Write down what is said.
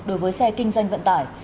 đối với xe kinh doanh vận tải